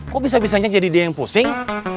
kok bisa bisanya jadi dia yang pusing